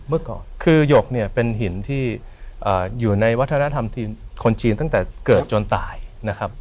เมื่อก่อนคือหยกเนี่ยเป็นหินที่อยู่ในวัฒนธรรมที่คนจีนตั้งแต่เกิดจนตายนะครับ